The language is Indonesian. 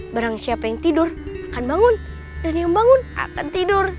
barang siapa yang tidur akan bangun dan yang bangun akan tidur